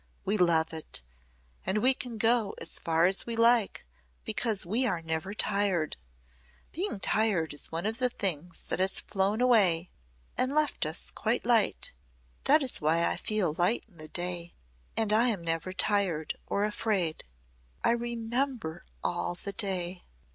We love it and we can go as far as we like because we are never tired. Being tired is one of the things that has flown away and left us quite light. That is why I feel light in the day and I am never tired or afraid. I remember all the day."